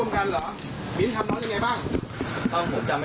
ใครต้องตีตัวแรก